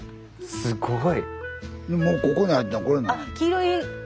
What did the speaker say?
すごい。